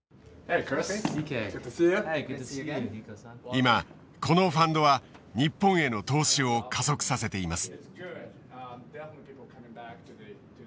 今このファンドは日本への投資を加速させています。